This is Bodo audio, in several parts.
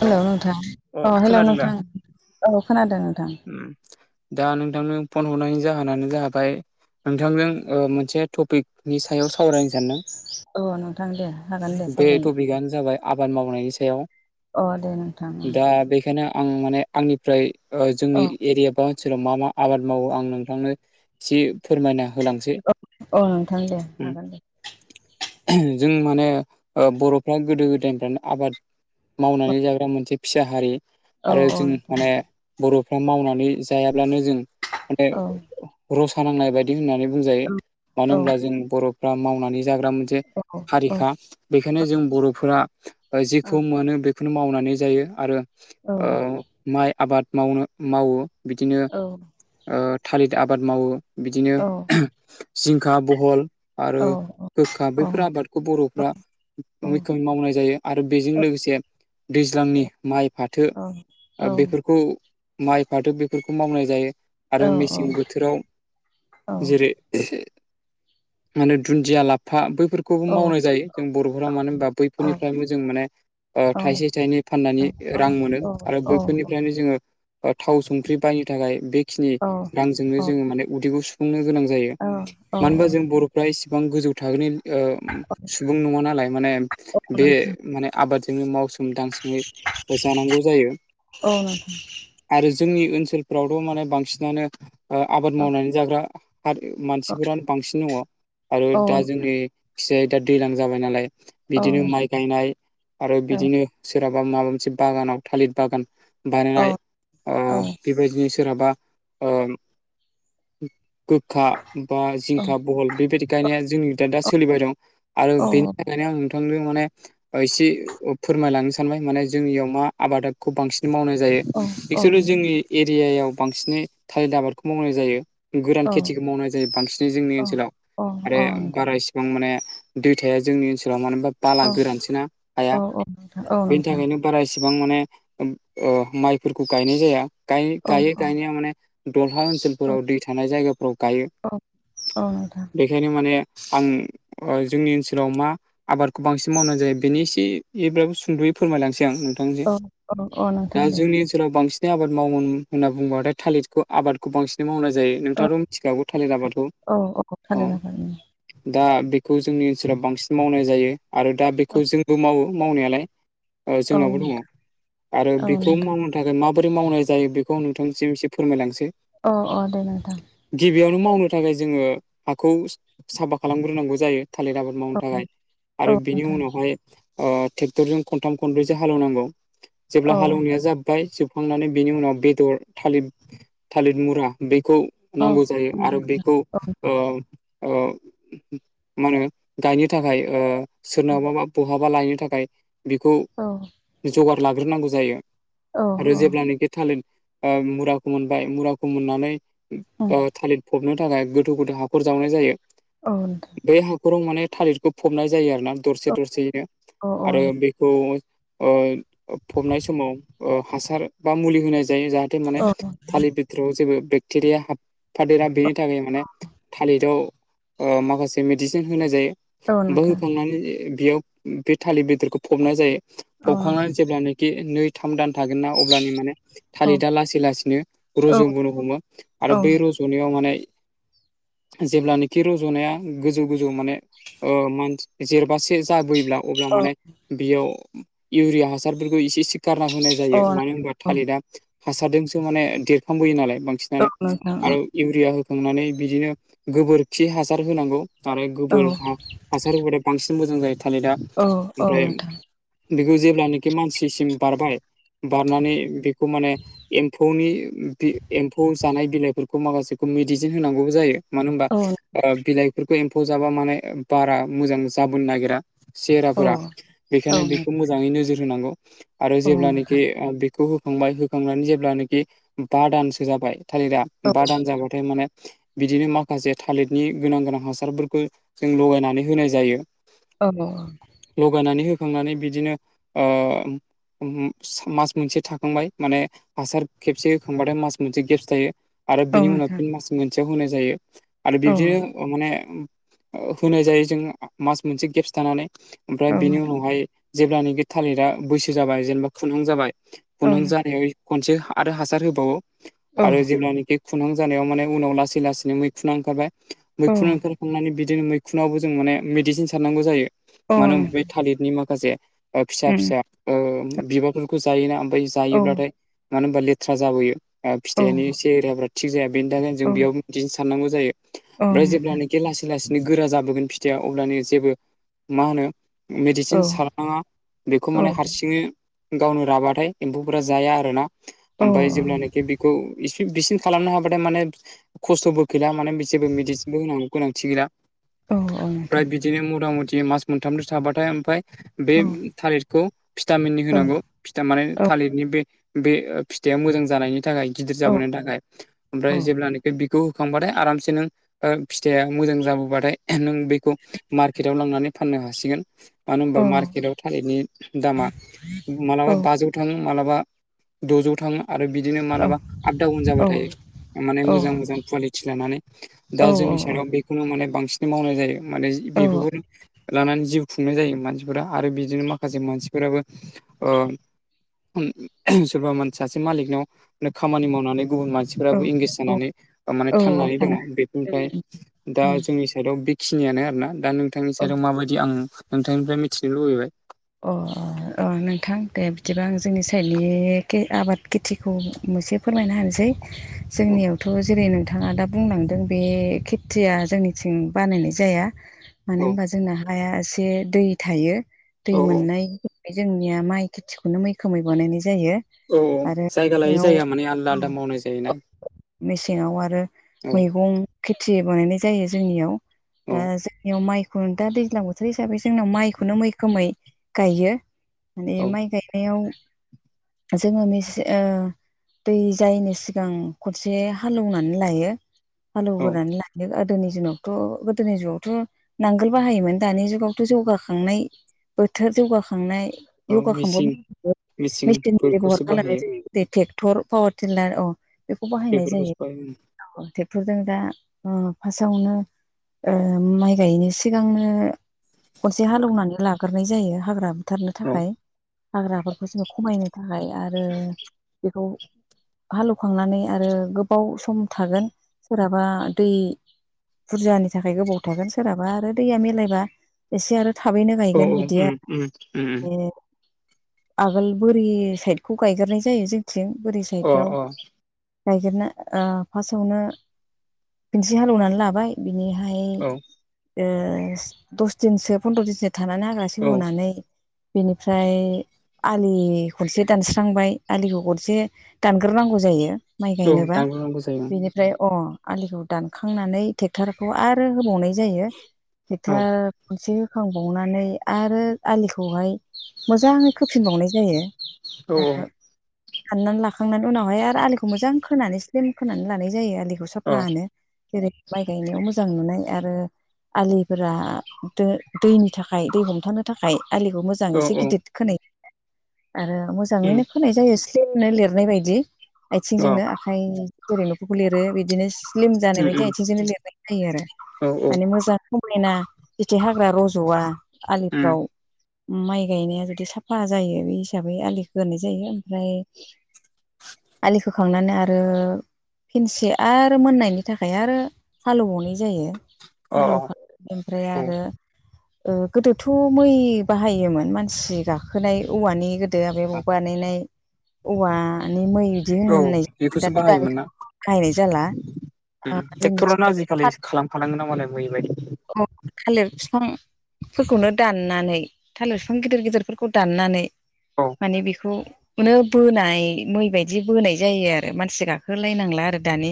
हेलौ हेल' नोंथां अ हेलौ खोनादों दा नोंथां औ खोनादों नोंथां उम दा नोंथांनो फन हरनायनि जाहोनानो जाहाबाय नोंथांजों ओ मोनसे टपिकनि सायाव सावरायनो सानदों औ नोंथां दे हागोन दे बे सावरायनो टपिकआनो जाबाय आबाद मावनायनि सायाव अ दे नों दा बेखायनो आं माने आंनिफ्राय ओ जोंनि औ एरिया बा ओनसोलाव मा मा आबाद मावो आं नोंथांनो एसे फोरमायना होलांसै औ नोंथां दे उम हागोन दे जों माने बर'फ्रा गोदो गोदायनिफ्रायनो आबाद मावनानै जाग्रा मोनसे फिसा हारि औ आरो औ जों नोंथां माने बर'फ्रा मावनानै जायाब्लानो जों माने औ रस खानांनाय बायदि होननानै बुंजायो मानो औ होनब्ला जों बर'फ्रा मावनानै जाग्रा मोनसे औ आरिखा बेखायनो जों बर'फोरा औ औ जेखौ मोनो बेखौनो मावनानै जायो आरो ओ माइ आबाद मावनो मावो बिदिनो औ ओ थालिर आबाद मावो बिदिनो औ जिंखा बहल आरो औ औ औ गोखा औ नोंथां औ नोंथां औ बेफोर आबादखौ बर'फ्रा मैखोमै मावनाय जायो आरो बेजों लोगोसे दैज्लांनि माइ फाथो बेफोरखौ माइ फाथो बेफोरखौ मावनाय जायो आरो मेसें बोथोराव जेरै माने दुन्दिया लाफा बैफोरखौबो मावनाय जायो जों बर'फोराव मानो होनबा बैफोरनिफ्रायबो जों माने ओ थाइसे थाइनै फाननानै रां मोनो आरो बैफोरनि जोङो थाव संख्रि बायनो थाखाय बेखिनि रां जोंनो जोङो माने उदैखौ सुफुंनो गोनां जायो मानो होनबा जों बर'फ्रा इसेबां गोजौ थाखोनि ओ सुबुं नङा नालाय माने बे माने आबादजोंनो मावसोम दांसोम ओ जानांगौ जायो आरो जोंनि ओनसोलफ्रावथ' माने बांसिनानो ओ आबाद मावनानै जाग्रा मानसिफोरानो बांसिन दङ' आरो दा जोंनि खिसाया दा दैलां जाबाय नालाय बिदिनो नोंथां माइ गायनाय आरो औ बिदिनो सोरहाबा माबा मोनसे बागानाव थालिर बागान औ बानायनाय ओ औ बेबायदिनो सोरहाबा ओम गोखा बा औ जिंखा बहल बेबायदि गायनाया जोंनि दा-दा सोलिबाय दं आरो बेनि बेखायनो आं नोंथांजों माने एसे फोरमायलांनो सानबाय माने जोंनियाव मा आबादखौ बांसिन मावनाय जायो औ औ एक्सुेलि जोंनि एरियायाव बांसिनै थालिर आबादखौ मावनाय जायो गोरान खेथिखौ मावनाय जायो बांसिनै जोंनि औ ओनसोलाव आरो बारा गोबां माने दै थाया जोंनि ओनसोलाव मानो होनबा बाला गोरानसोना हाया अ बेनि थाखायनो बारा इसिबां माने ओ माइफोरखौ गायनाय जाया गायो औ नोंथां औ गायो गायनाया माने दमफाङा ओनसोल फोराव दै थानाय जायगाफोराव गायो औ औ नोंथां बेखायनो माने आं जोंनि ओनसोलाव मा आबादखौ बांसिन मावनाय जायो बेनि एसे [unintelligible] सुंद'यै फोरमायलांसै आं नोंथांजों औ औ औ नोंथां दा दे जोंनि [unintelligible] बांसिन आबाद मावोमोन होनना बुंबाथाय थालिरखौ आबाद खौ बांसिनै मावनाय जायो औ नोंथाङाथ' मिथिखागौ थालिर आबादखौ औ औ अ। थालिर आफादनि दा बेखौ जोंनि ओनसोलाव बांसिन मावनाय जायो आरो दा औ बेखौ जोंबो मावो मावनायालाय। ओ औ जोंनावबो दङ आरो औ बेखौ नोंथां माव थाखाय माबोरै मावनाय जायो बेखौ नोंथांसिम एसे फोरमायलांसै। अ-अ दे नोंथां। गिबियावनो मावनो थाखाय जोङो हाखौ साफा खालामग्रोनांगौ जायो। थालिर आबाद औ मावनो थाखाय औ आरो बिनि नोंथां उनावहाय अ ट्रेक्टरजों खनथाम खनब्रैसो हाल एवनांगौ जेब्ला औ हाल एवनाया जाब्बाय जोब खांनानै बेनि उनाव बेदर थालिर-थालिर मुरा बेखौ औ नांगौ जायो आरो बेखौ अ-अ मा होनो गायनो थाखाय ओ सोरनावबाबा बहाबा लायनो थाखाय बेखौ औ जगार लाग्रोनांगौ जायो। औ आरो जेब्लानोखि थालिर ओ मुराखौ मोनबाय मुराखौ मोननानै उम ओ थालिर फबनो थाखाय गोथौ-गोथौ हाखर जावनाय जायो। औ नोंथां। बे हाखराव माने थालिरखौ फबनाय जायो आरो ना दरसे औ दरसेयैनो औ आरो बेखौ ओय फबनाय समाव ओ हासार बा मुलि होनाय जायो जाहाथे माने औ थालिर बि [unintelligible] जेबो बेक्टेरिया हाबफादेरा बेनि थाखाय माने थालिराव ओ माखासे मेडिसिन होनाय जायो। औ बो नोंथां होखांनानै बेयाव बे थालिर बेदरखौ फबनाय जायो औ नोंथां औ फबखांनानै जेब्लानोखि नै थाम दान थागोनना अब्लानि माने थालिदा लासै लासैनो रज'बोनो हमो औ आरो बै रज'नायाव माने जेब्लानोखि रज'नाया गोजौ - गोजौ माने ओ मानसि जेरबासे जाबोयोब्ला अब्ला माने बेयाव इउरिया हासारफोरखौ इसे-इसे गारना होनाय जायो औ मानो होनबा औ थालिदा हासारजोंसो माने देरफांबोयो नालाय औ बांसिनानो नोंथां आरो इउरिया होखांनानै बिदिनो गोबोरखि हासार होनांगौ आरो औ गोबोर हा हासार होबाथाय बांसिन मोजां जायो थालिदा। औ-औ नोंथां। बेखौ जेब्लानोखि मानसिसिम बारबाय बारनानै बेखौ माने एम्फौनि बि एम्फौ जानाय बिलाइफोरखौ माखासेखौ मेडिसिन होनांगौ जायो। मानो होनबा औ ओ बिलाइफोरखौ एम्फौ जाबा माने बारा मोजां जाबोनो नागिरा। औ सेहेराफोरा औ बेखायनो बेखौ मोजाङै नोजोर होनांगौ आरो जेब्लानोखि नोंथां ओ बे खौ होखांबाय होखांनानै जेब्लानोखि बा दानसो जाबाय थालिरा औ बा दान जाबाथाय माने बिदिनो माखासे थालिरनि गोनां-गोनां हासारफोरखौ जों लगायनानै होनाय जायो। औ-औ। लगायनानै होखांनानै बिदिनो ओ [unintelligible] मास मोनसे थाखांबाय माने हासार खेबसे होखांबाथाय मास मोनसे गेबस थायो। आरो औ बिनि उनाव नोंथां फिन मास मोनसेयाव होनाय जायो। आरो औ नोंथां औ बिबदिनो औ नोंथां अ माने ओ होनाय जायो जों मास मोनसे गेबस थानानै ओमफ्राय उम औ बिनि उनावहाय जेब्लानाखि थालिरा बैसो जाबाय जेनेबा खुन्दुं जाबाय औ खुन्दुं नोंथां जानायाव खनसे आरो हासार होबावो औ आरो जेब्लानोखि खुुनुं जानायाव माने उनाव लासै लासैनो मैखुना ओंखारबाय औ मैखुन ओंखार खांनानै बिदिनो मैखुनावबो जों माने मेडिसिन सारनांगौ जायो। औ मानो होन बे नोंथां थालिरनि माखासे ओ फिसा - फिसा ओ बिबारफोरखौ जायोना ओमफाय औ जायोब्लाथाय औ मानो होनबा लेथ्रा जाबोयो ओ औ फिथाइनि सेहेराफ्रा थिग जाया बेनि थाखायनो जों बेयाव बिदिनो सारनांगौ जायो ओमफ्राय जेब्लानोखि लासै लासैनो गोरा जाबोगोन फिथाइया अब्लानि जेबो मा होनो मेडिसिन सारनाङा बेखौ माने हारसिङै गावनो राबाथाय एम्फौफोरा जाया आरो ना ओमफ्राय जेब्लानाखि बि खौ इसि बिसिन खालामनो हाबाथाय माने खस्थ'बो गैला मानो जेबो मेडिसिनबो होनांगौ गोनांथि गैला। ओमफ्राय बिदिनो मथा मथि मास मोनथामसो थाबाथाय ओमफ्राय बे थालिरखौ भिटामिननि होनांगौ। फिथा माने थालिरनि बे बे फिथाइया मोजां जानायनि। थाखाय गिदिर जाबोननि थाखाय ओमफ्राय जेलानो बिखौ होखांबाथाय आरामसे नों फिथाइया मोजां जाबोबाथाय नों बे मार्केटाव लांनानै फाननो हासिगोन। मानो होनबा मार्केटाव थालिरनि दामा मालाबा बाजौ थाङो मालाबा द'जौ थाङो। आरो बिदिनो मालाबा आप डाउन जाबा थायो माने मोजां मोजां कुवालिटि लानानै। दा जोंनि साइडआव बेखौनो माने बांसिन मावनाय जायो माने बेफोरखौ लानानै जिउ खुंनाय जायो मानसिफोरा आरो बिदिनो माखासे मानसिफोराबो ओ सोरबा मान सासे मालिकनाव खामानि मावनानै गुबुन मानसि फोराबो इंगेेज जानानै माने औ थांनानै दङ थानो बेफोरनिफ्राय दा जोंनि साइडआव बेखिनियानो आरोना दा नोंथांनि औ साइडआव माबायदि आं नोंथांनिफ्राय मिथिनो लुबैबाय। अ अ अ नोंथां दे बिदिबा जोंनि साइडनि आबाद खेथि खौ मोनसे फोरमायनो हानोसै औ जोंनियावथ' जेरै नोंथां नोंथाङा दा बुंलांदों बे खेथिया जोंनिथिं बानायनाय जाया मानो औ होनबा जों जोंना हाया एसे दै थायो दै औ मोननाय जोंनिया माइ खेथिखौनो मैखोमै बानायनाय जायो। औ आरो जायगा लायै मेसेङाव जायगा माने आलदा आलदा मावनाय जायोना‌। मेसेङाव आरो मैगं खेथि बानायनाय जायो जोंनियाव। दा औ जोंनियाव माइखौ दा दैज्लां बोथोर हिसाबै जोंनाव माइखौनो मै रोखोमै गायो माने औ माइ गायनायाव जोङो मेस ओ दै जायैनि सिगां खनसे हालेवनानै लायो औ हालौवग्रानै लायो आरो। गोदोनि जुनावथ' गोदोनि जुगावथ' नांगोल बाहायोमोन दानि जुगावथ' जौगाखांनाय बोथोर जौगाखांनाय औ जयगाखांब मिसिं म मेचिन बेब'हार मिसिंफोरखौसो खालामनाय बाहायो जायो। बे ट्रेक्टर पावार टिलार अ बेखौ बाहायनाय बेफोरखौसो जायो। बाहायो औ ट्रेक्टरजों दा फार्स्टआवनो माइ गायनो सिगांनो खनसे हालेवनानै लाग्रोनाय जायो हाग्रा बुथारनो औ थाखाय हाग्राफोरखौ जोङो खमायनो थाखाय आरो बेखौ हालेवखांनानै आरो गोबाव सम थागोन सोरहाबा दै बुरजानि थाखाय गोबाव थागोन सोरहाबा आरो दैया मिलायबा एसे आरो थाबैनो गाय औ गोन उम बिदिया उम उम उम आगोल बोरि साइडखौ गायगारनाय जायो जोंथिं बोरि अ साइडआव अ गायगोरनो फास्स्टआवनो खन्से हालौवनानै लाबाय। बिनिहाय औ दस दिनसो फन्द्र' दिनसो थानानै हाग्रासि औ सेवहोनानै बेनिफ्राय आलि खनसे दानस्रांबाय आलिखौ खनसे दानग्रोनांगौ जायो। माइ औ गायनोबा दानग्रोनांगौ जायो बेनिफ्राय अ आलिखौ दानखांनानै ट्रेक्टर खौ आरो होबावनाय जायो औ ट्रेक्टार खनसे होखां हनानै आरो आखौहाय मोजाङै होफिनबावनाय जायो औ ओ फाननानै लाखांनानै उनावहाय आरो आलिखौ मोजां खोनानै स्लिम खोनानै लानाय जायो आलिखौ औ अ साफानो। जेरै माइ गायनायाव मोजां नुनाय आरो आलिफोरा दो दैनि थाखाय दै हमथानो थाखाय आलिखौ मोजां औ एसे औ गिदिर खोना जायो आरो मोजां उम मोजाङैनो फोनाय जायो स्लिमनो लिरनाय बायदि अ आथिंजोंनो आखाइ जरै न'फोरखौ लिरो बिदिनो स्लिम जानाय उम बायदि उम आथिंजोंनो लिरनाय जायो आरो औ औ माने मोजां समायना बिदि हाग्रा रज'आ उम आलिफ्राव। माइ गायनाया जुदि साफा जायो बे हिसाबै आलिखौ खोहोनाय जायो ओमफ्राय [inaudible] आलि खोखांनानै आरो खिनसे आरो मोननायनि थाखाय आरो हालेवबावनाय जायो। अ हालेव खा ओमफ्राय औ आरो ओ गोदोथ' मै बाहायोमोन मानसि गाखोनाय औवानि दा बेयाव बानायनाय औवानि मै बिदि औ होन बेखौसो [unintelligible] बाहायोमोन ना नायनाय जाला जोंनिथि खालामफानांगोन नामालाय मै बायदि। औ थालिर बिफां फोरखौनो दाननानै थालिर बिफां गिदिर गिदिरफोरखौ दाननानै औ माने बेखौ अनो बोनाय मै बायदि बोनाय जायो आरो मानसि गाखोलायनांला आरो दानि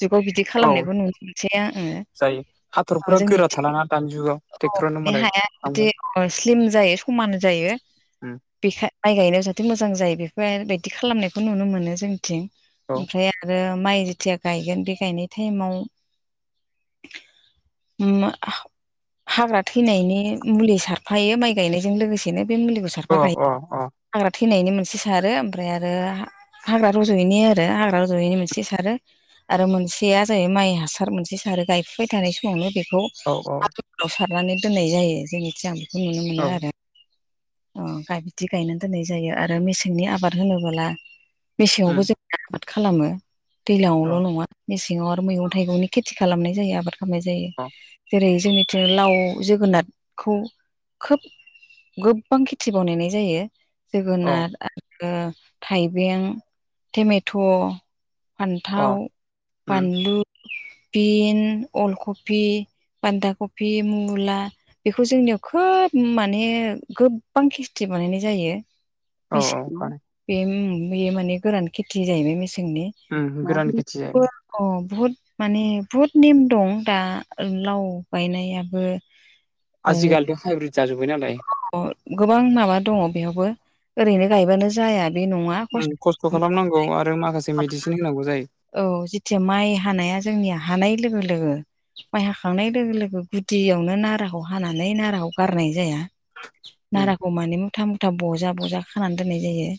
जुगाव बिदि औ खालामनायखौ नुनो मोनसै आ आङो। जायो हाथरफोरा गोरा जोंनिथिं थालाङा दानि जुगाव ट्रेक्टरानो मालाय खालामो अ स्लिम जायो समान जायो। उम बेखा माइ गायनायाव जाहाथे मोजां जायो बेफोरबायायदि खालामनायखौ नुनो मोनो जोंनिथिं। औ ओमफ्राय आरो माइ जेथिया गायगोन बे गायनाय टाइमाव ओम मा हाग्रा थैनायनि मुलि सारफायो माइ गायनायजों लोगोसेनो बे मुलिखौ अ सारफा खायो अ अ हाग्रा थैनायनि मोनसे सारो ओमफ्राय आरो हाग्रा रज'यैनि आरो हाग्रा रज'यैनि मोनसे सारो। आरो मोनसेया जाहैबाय माइ हासार मोनसे सारो गायफुबाय थानाय समावनो बेखौ औ औ। आवव सारनानै दोननाय जायो जोंनिथि आं बेखौ नुनो औ मोनो आरो। अ गा बिदि गायनानै दोननाय जायो आरो मेसेंनि आबाद होनोबोला मेसेङावबो उम जों आबाद खालामो अ दैलाङावल' नङा मेसेङाव आरो मैगं थाइगंनि खेथि खालामनाय जायो आबाद खालामनाय जायो अ जेरै जोंनि जो लाव जोगोनारखौ खोब गो गोबां खेथि बनायनाय जायो औ जोगोनार आ ओ थाइबें टेमेट' अ फान्थाव उम बानलु बिन अलखपि बान्दा कफि मुला बेखौ जोंनियाव खोब माने गोब गोबां खेसथि बानायनाय जायो औ औ बिसि बानाय बे म बेयो माने गोरान खेथि जाहैबाय मेसेंनि उम गोरान [unintelligible] खेथि जाहैबाय अ बहुत माने बहुद नेम दं दा लाव गायनायाबो ओ आजिखालिथ' हाइब्रिद जाजोब्बाय नालाय। गोबां माबा दङ बेयावबो ओरैनो गायबानो जाया बे नङा खस्थ' खालामनांगौ आरो माखासे मेडिसिन होनांगौ जायो। औ जेथिया माइ हानाया जोंनिया हानाय लोगो लोगो माय हाखांनाय लोगो लोगो गुदियावनो नाराखौ हानानै नाराखौ गारनाय जाया उम नाराखौ माने मुथा मुथा बजा बजा खानानै दोननाय जायो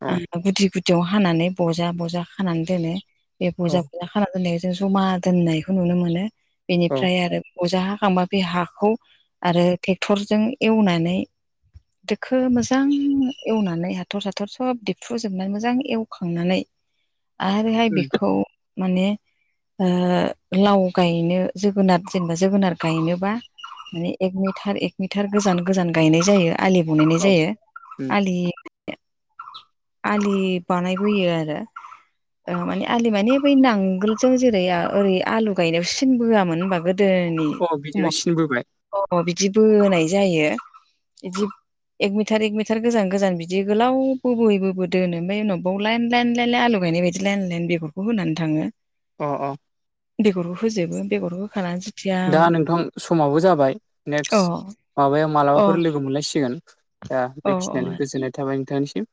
औ गुदि गुदि खथियाव हानानै बजा बजा खानानै दोनो बे औ बजा बजा खाना दोननायखौ जों जमा दोननायखौ नुनो मोनो औ बेनिफ्राय आरो अजा हाखांबा बे हाखौ आरो ट्रेक्टरजों एवनानै दोखो मोजां एवनानै हाथर साथर सब दिफ्रुजोबनानै मोजां एवखांनानै [inaudible] आरोहाय उम बेखौ माने ओ लाव गायनो जोगोनार जेनेबा जोगोनार गायनोबा माने एक मिटार एक मिटार गोजान गोजान गायनाय जायो आलि बनायनाय औ जायो। उम आलि आलि बानायबोयो आरो। ओ माने आलि मानि बै नांगोलजों जेरै ओरै आलु गायनायाव सिन बोआमोन होनबा गोदो [unintelligible] अ बिदिबो समाव सिन बोबाय अ बिदि बोनाय जायो बिदि एक मिटार एक मिटार गोजान गोजान बिदि गोलाव बोबो बोबो दोनो ओमफ्राय उाव बाव लाइन लाइन लाइन आलु गायनाय बायदि बिदि लाइन लाइन बेगरखौ होनानै थाङो। अ अ। बेगरखौ होजोबो बेगर होखानानै जेथिया दा नोंथां समाबो जाबाय अ नेक्स्ट माबायाव अ मालाबाफोर लोगो मोनलायसिगोन दा अ अ बेखिनियानो गोजोननाय थाबाय नोंथांनिसिम।